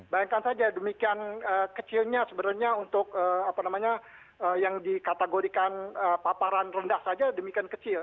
bayangkan saja demikian kecilnya sebenarnya untuk apa namanya yang dikategorikan paparan rendah saja demikian kecil